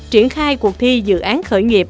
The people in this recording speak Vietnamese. triển khai cuộc thi dự án khởi nghiệp